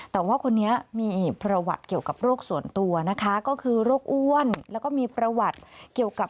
แต่ว่าคนนี้มีประวัติเกี่ยวกับโรคส่วนตัวนะคะก็คือโรคอ้วนแล้วก็มีประวัติเกี่ยวกับ